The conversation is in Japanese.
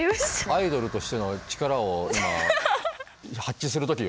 アイドルとしての力を今発揮する時よ。